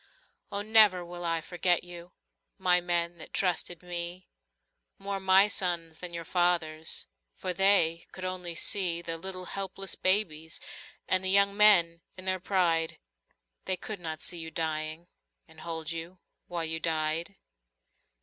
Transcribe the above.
Oh, never will I forget you, My men that trusted me. More my sons than your fathers'. For they could only see The little helpless babies And the young men in their pride. They could not see you dying. And hold you while you died.